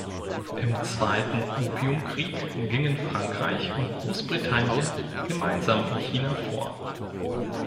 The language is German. Im Zweiten Opiumkrieg gingen Frankreich und Großbritannien gemeinsam in China vor.